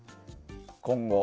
今後。